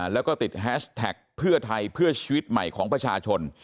แล้วก็ติดแฮชแท็กเพื่อไทยเพื่อชีวิตใหม่ของประชาชน